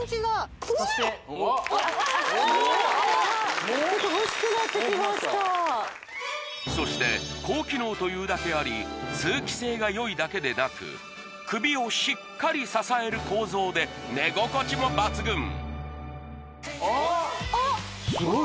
ちょっとそして高機能というだけあり通気性がよいだけでなく首をしっかり支える構造で寝心地も抜群あっ！